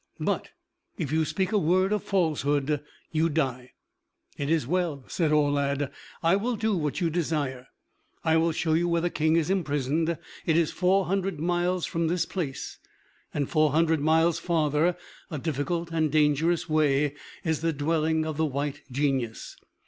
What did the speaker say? But if you speak a word of falsehood you die." "It is well," said Aulad; "I will do what you desire. I will show you where the King is imprisoned. It is four hundred miles from this place; and four hundred miles farther, a difficult and dangerous way, is the dwelling of the White Genius.